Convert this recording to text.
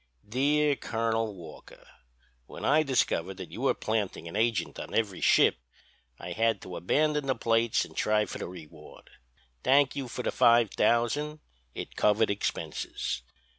DEAR COLONEL WALKER: When I discovered that you were planting an agent on every ship I had to abandon the plates and try for the reward. Thank you for the five thousand; it covered expenses.